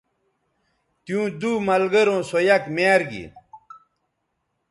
تیوں دو ملگروں سو یک میار گی